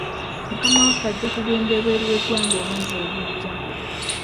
Mukama waffe ajja kugenda ebweru w'eggwanga omwezi ogujja.